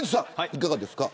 いかがですか。